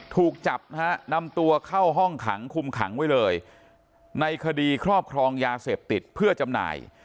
ถูกจับนะฮะนำตัวเข้าห้องขังคุมขังไว้เลยในคดีครอบครองยาเสพติดเพื่อจำหน่าย